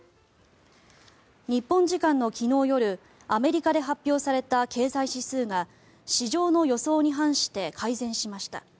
日本時間の昨日夜アメリカで発表された経済指数が市場の予想に反して改善しました。